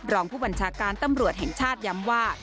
รองผู้บัญชาการตำรวจแห่งชาติย้ำว่า